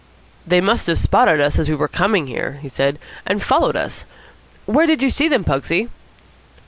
"They must have spotted us as we were coming here," he said, "and followed us. Where did you see them, Pugsy?"